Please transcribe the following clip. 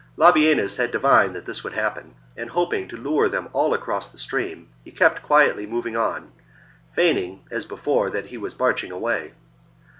Labienus had divined that this would happen, and hoping to lure them all across the stream, he kept quietly moving on, feigning, as before, that he was marching away.